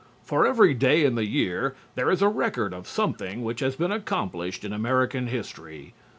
For every day in the year there is a record of something which has been accomplished in American history.